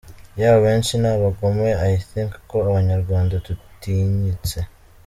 Yewe abenshi ni abagome i think ko abanyarwanda dutinyitse.